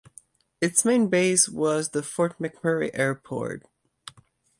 Its main base was the Fort McMurray Airport.